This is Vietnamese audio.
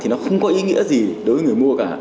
thì nó không có ý nghĩa gì đối với người mua cả